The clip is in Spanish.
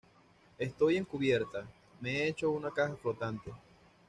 estoy en cubierta. me he hecho una caja flotante.